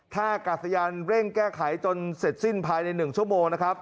แท่กลักสยานเร่งแก้ไขจนเสร็จสิ้นภายในหนึ่งชั่วโมงนะครับ